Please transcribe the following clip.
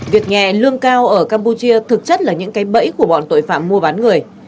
việc nhẹ lương cao ở campuchia thực chất là những cái bẫy của bọn tội phạm mua bán người